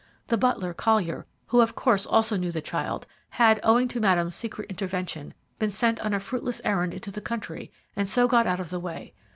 The butler, Collier, who of course also knew the child, had, owing to Madame's secret intervention, been sent on a fruitless errand into the country, and so got out of the way.